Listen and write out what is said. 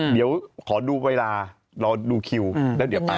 เดี๋ยวขอดูเวลารอดูคิว